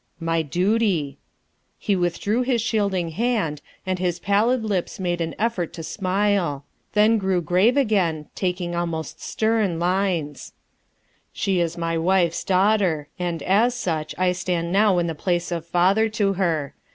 "My duty." He withdrew his shielding hand and his pallid lips made an effort to smile; then grew grave again, taking almost stern lines. 371 372 RUTH ERSKIXE'S SOX * "She is my wife's daughter; and as such stand now in the place of father to her.